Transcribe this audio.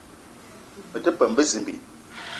Me te peum bezimbi